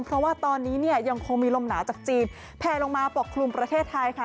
เพราะว่าตอนนี้เนี่ยยังคงมีลมหนาวจากจีนแพลลงมาปกคลุมประเทศไทยค่ะ